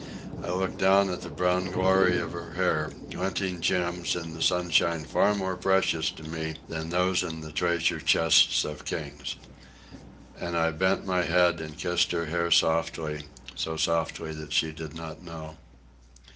I looked down at the brown glory of her hair, glinting gems in the sunshine far more precious to me than those in the treasure chests of kings. And I bent my head and kissed her hair softly, so softly that she did not know.